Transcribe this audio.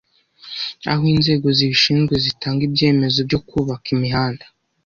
aho inzego zibishinzwe zitanga ibyemezo byo kubaka imihanda